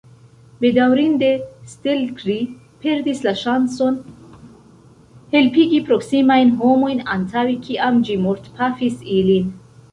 Bedaŭrinde, Stelkri perdis la ŝancon helpigi proksimajn homojn antaŭe kiam ĝi mortpafis ilin.